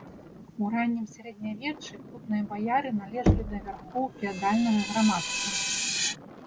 У раннім сярэднявеччы путныя баяры належалі да вярхоў феадальнага грамадства.